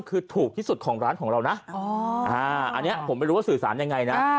คือถูกที่สุดของร้านของเรานะอันนี้ผมไม่รู้ว่าสื่อสารยังไงนะ